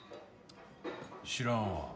知らんわ。